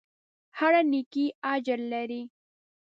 هره نېکۍ اجر لري.